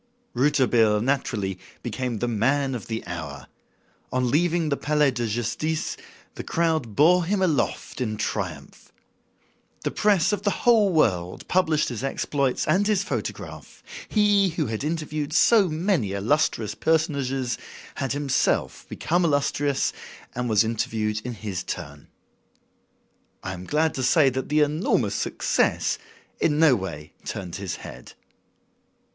Rouletabille, naturally, became the "man of the hour." On leaving the Palais de Justice, the crowd bore him aloft in triumph. The press of the whole world published his exploits and his photograph. He, who had interviewed so many illustrious personages, had himself become illustrious and was interviewed in his turn. I am glad to say that the enormous success in no way turned his head.